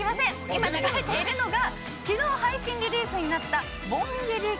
今流れているのが昨日配信リリースになった『盆ギリ恋歌』